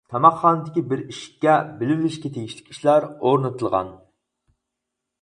تاماقخانىدىكى بىر ئىشىككە «بىلىۋېلىشقا تېگىشلىك ئىشلار» ئورنىتىلغان.